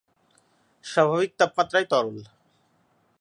স্বাভাবিক তাপমাত্রায় তরল।